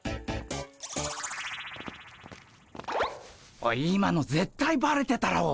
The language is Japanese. おい今のぜったいバレてたろ。